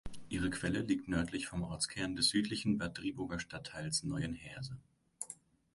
Ihre Quelle liegt nördlich vom Ortskern des südlichen Bad Driburger Stadtteils Neuenheerse.